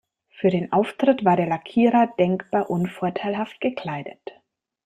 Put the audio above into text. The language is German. Für den Auftritt war der Lackierer denkbar unvorteilhaft gekleidet.